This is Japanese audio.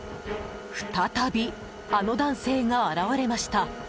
再び、あの男性が現れました。